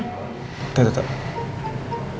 tunggu tunggu tunggu